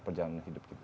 perjalanan hidup kita